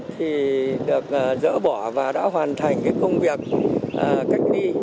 thì được dỡ bỏ và đã hoàn thành công việc cách ly